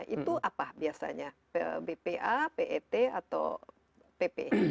itu apa biasanya bpa pet atau pp